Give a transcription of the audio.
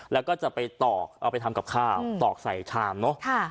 แล้วก็จะไปตอกเอาไปทำกับข้าวตอกใส่ชามเนอะ